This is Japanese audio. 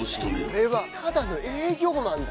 俺はただの営業マンだ！